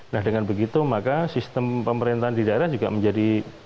nah dengan begitu maka sistem pemerintahan di daerah juga menjadi